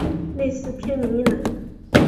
类似片名一览